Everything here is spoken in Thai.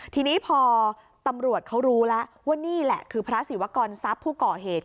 ทีนี้พอตำรวจเขารู้แล้วว่านี่แหละคือพระศิวกรทรัพย์ผู้ก่อเหตุ